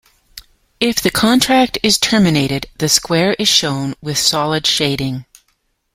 If the contract is terminated the square is shown with solid shading.